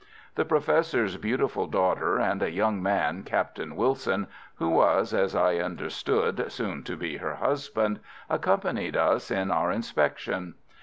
The Professor's beautiful daughter and a young man, Captain Wilson, who was, as I understood, soon to be her husband, accompanied us in our inspection.